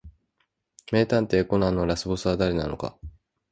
名探偵コナンのラスボスは誰なのか